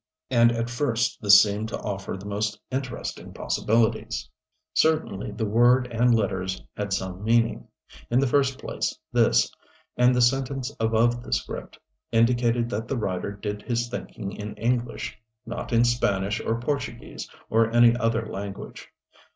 And at first this seemed to offer the most interesting possibilities. Certainly the word and letters had some meaning. In the first place this, and the sentence above the script, indicated that the writer did his thinking in English not in Spanish or Portuguese or any other language.